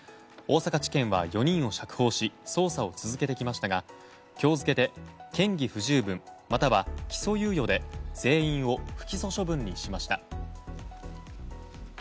大阪地検は４人を釈放し捜査を続けてきましたが今日付で、嫌疑不十分または起訴猶予で全員を不起訴処分としました。